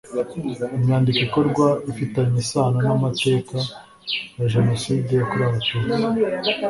inyandiko ikorwa ifitanye isano n’amateka ya jenoside yakorewe abatutsi